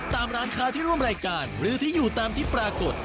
ตามร้านค้าที่ร่วมรายการหรือที่อยู่ตามที่ปรากฏ